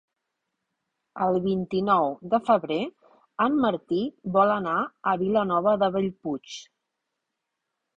El vint-i-nou de febrer en Martí vol anar a Vilanova de Bellpuig.